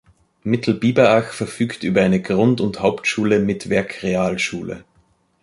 Mittelbiberach verfügt über eine Grund- und Hauptschule mit Werkrealschule.